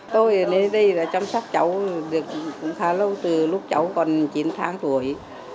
tôi đến đây là chăm sóc cháu được khá lâu từ lúc cháu còn chín tháng tuổi